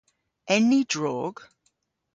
En ni drog?